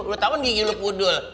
lu tau kan gigi lu pudul